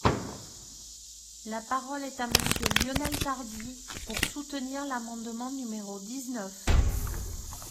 La parole est à Monsieur Lionel Tardy, pour soutenir l’amendement numéro dix-neuf.